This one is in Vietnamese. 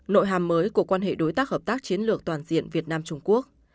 nội hàm mới của quan hệ đối tác hợp tác chiến lược toàn diện việt nam trung quốc